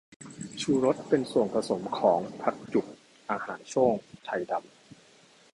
ชูรส เป็นส่วนผสมของ ผักจุบ อาหารโซ่ง ไทดำ